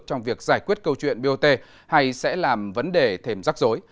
trong việc giải quyết câu chuyện bot hay sẽ làm vấn đề thêm rắc rối